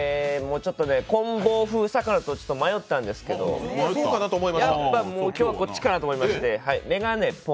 こんぼう風さかなと迷ったんですけど、やっぱもう今日はこっちかなと思いまして。